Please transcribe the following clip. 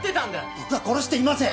僕は殺していません！